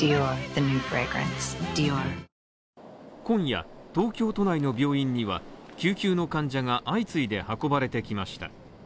今夜、東京都内の病院には救急の患者が相次いで運ばれてきました。